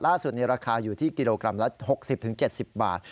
ในราคาอยู่ที่กิโลกรัมละ๖๐๗๐บาท